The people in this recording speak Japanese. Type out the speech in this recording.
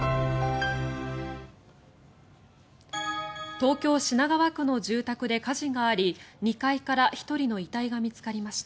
東京・品川区の住宅で火事があり２階から１人の遺体が見つかりました。